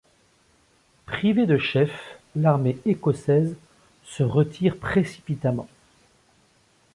Privée de chefs, l'armée écossaise se retire précipitamment.